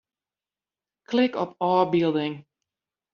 Klik op ôfbylding.